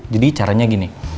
jadi caranya gini